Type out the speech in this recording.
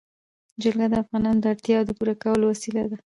جلګه د افغانانو د اړتیاوو د پوره کولو وسیله ده.